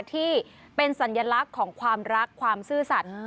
ที่เป็นสัญลักษณ์ของความรักความซื่อสัตว์